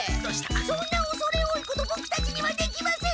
そんなおそれ多いことボクたちにはできません。